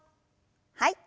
はい。